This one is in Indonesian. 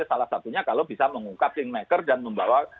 salah satunya kalau bisa mengungkap think maker dan membawa